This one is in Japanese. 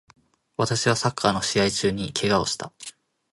私はサッカーの試合中に怪我をした